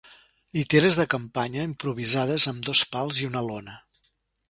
Lliteres de campanya improvisades amb dos pals i una lona.